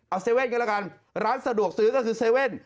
เอาเซเว่นกันแล้วกันร้านสะดวกซื้อก็คือเซเว่น